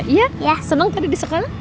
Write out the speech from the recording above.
iya ya senang tadi di sekolah